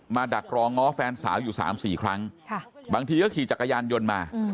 ดักรอง้อแฟนสาวอยู่๓๔ครั้งบางทีก็ขี่จักรยานยนต์มา